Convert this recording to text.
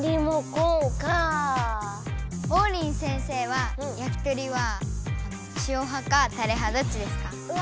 オウリン先生はやきとりはしおはかタレはどっちですか？